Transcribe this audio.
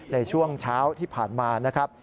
ในช่วงเช้าที่ผ่านมานะครับ